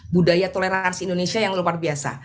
budaya toleransi indonesia yang luar biasa